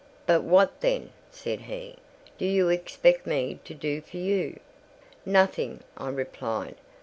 "But what, then," said he, "do you expect me to do for you?" "Nothing," I replied.